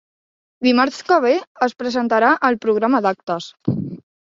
Dimarts que ve es presentarà el programa d'actes.